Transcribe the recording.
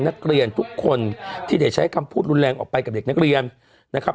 นักเรียนทุกคนที่ได้ใช้คำพูดรุนแรงออกไปกับเด็กนักเรียนนะครับ